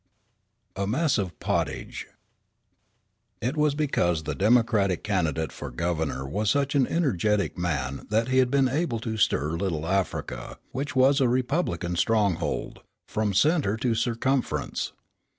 A MESS OF POTTAGE It was because the Democratic candidate for Governor was such an energetic man that he had been able to stir Little Africa, which was a Republican stronghold, from centre to circumference.